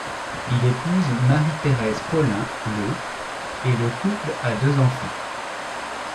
Il épouse Marie-Thérèse Paulin le et le couple a deux enfants.